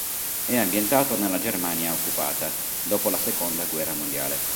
È ambientato nella Germania occupata, dopo la seconda guerra mondiale.